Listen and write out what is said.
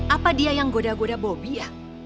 apa dia yang goda goda bobi ya